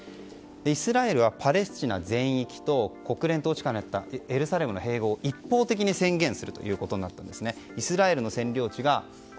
イスラエルはパレスチナ全域と国連統治下にあったエルサレムの併合を一方的に宣言することになったんです。